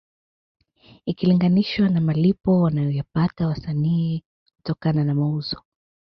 Ikilinganishwa na malipo wanayoyapata wasanii kutokana na mauzo